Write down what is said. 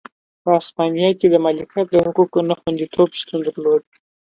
په هسپانیا کې د مالکیت د حقونو نه خوندیتوب شتون درلود.